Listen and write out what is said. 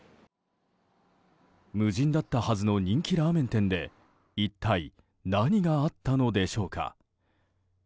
無人だったはずの人気ラーメン店で一体何があったのでしょうか。